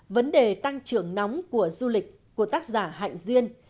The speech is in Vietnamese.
vấn đề tăng trưởng nóng của du lịch của tác giả hạnh duyên